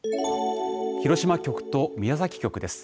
広島局と宮崎局です。